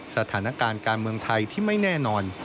สถานการณ์การเมืองไทยที่ไม่แน่นอน